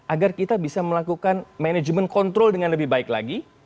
agar kita bisa melakukan manajemen kontrol dengan lebih baik lagi